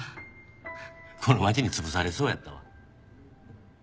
この街に潰されそうやったわ。